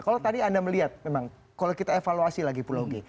kalau tadi anda melihat memang kalau kita evaluasi lagi pulau g